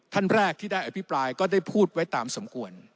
ท่านแรกที่ได้อภิปรายก็ได้พูดไว้ตามสมควร